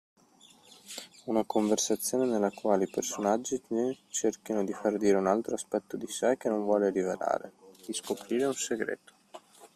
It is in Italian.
Una conversazione nella quale i personaggi cerchino di far dire all’altro un aspetto di sé che non vuole rivelare, di scoprire un segreto.